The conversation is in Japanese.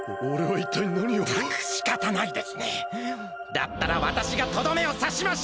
だったらわたしがとどめをさしましょう！